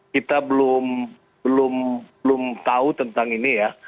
kita belum tahu tentang ini ya